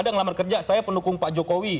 ada ngelamar kerja saya pendukung pak jokowi